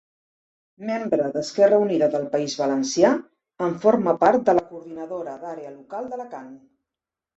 Membre d'Esquerra Unida del País Valencià en forma part de la Coordinadora d'Àrea Local d'Alacant.